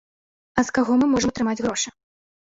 А з каго мы можам атрымаць грошы?